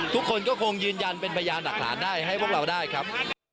ทุกคนก็คงยืนยันเป็นพยานหลักฐานได้ให้พวกเราได้ครับ